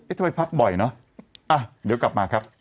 ทำไมพักบ่อยเนอะเดี๋ยวกลับมาครับ